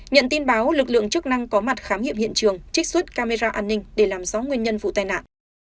nhận tin báo lực lượng chức năng có mặt khám nghiệm hiện trường trích xuất camera an ninh để làm rõ nguyên nhân vụ tai nạn